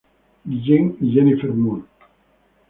Guillen y Jennifer Moore.